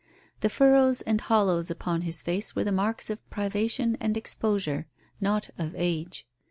The furrows and hollows upon his face were the marks of privation and exposure, not of age.